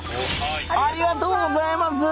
ありがとうございます！